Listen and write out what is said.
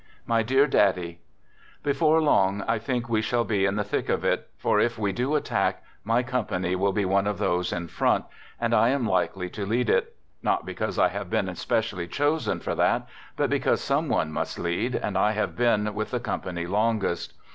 My Dear Daddy: Before long, I think we shall be in the thick of it, for if we do attack, my company will be one of those in front, and I am likely to lead it ; not because I have been specially chosen for that, but because some one must lead, and I have been with the com pany longest.